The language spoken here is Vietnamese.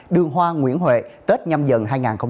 đường hoa nguyễn huệ tết nhăm dần hai nghìn hai mươi hai